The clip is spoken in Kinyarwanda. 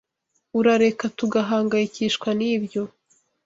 Urareka tugahangayikishwa nibyo.